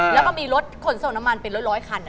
แล้วก็มีรถขนส่งน้ำมันเป็นร้อยคัน